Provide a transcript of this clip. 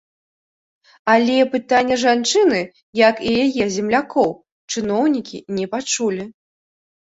Але пытанне жанчыны, як і яе землякоў, чыноўнікі не пачулі.